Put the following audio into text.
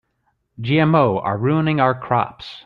GMO are ruining our crops.